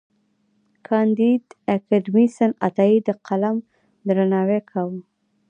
کانديد اکاډميسن عطايي د قلم درناوی کاوه.